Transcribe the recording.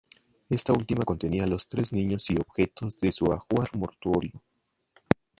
Esta última contenía a los tres niños y objetos de su ajuar mortuorio.